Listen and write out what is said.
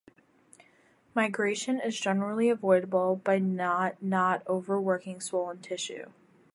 Migration is generally avoidable by not not over-working swollen tissue.